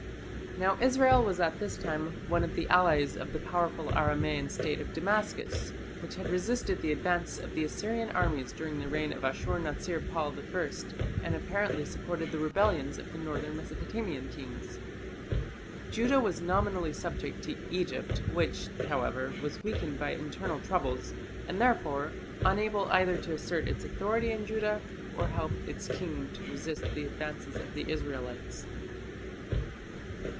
Now Israel was at this time one of the allies of the powerful Aramaean State of Damascus, which had resisted the advance of the Assyrian armies during the reign of Ashur natsir pal I, and apparently supported the rebellions of the northern Mesopotamian kings. Judah was nominally subject to Egypt, which, however, was weakened by internal troubles, and therefore unable either to assert its authority in Judah or help its king to resist the advance of the Israelites.